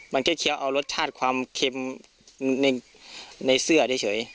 เคี้ยวเอารสชาติความเค็มในเสื้อเฉย